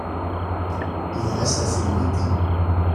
Ils restent assez limités.